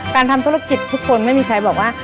ทำธุรกิจทุกคนไม่มีใครบอกว่า